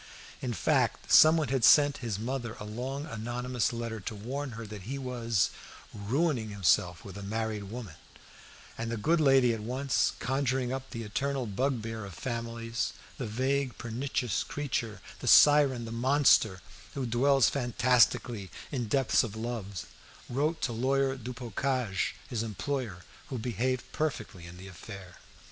In fact someone had sent his mother a long anonymous letter to warn her that he was "ruining himself with a married woman," and the good lady at once conjuring up the eternal bugbear of families, the vague pernicious creature, the siren, the monster, who dwells fantastically in depths of love, wrote to Lawyer Dubocage, his employer, who behaved perfectly in the affair.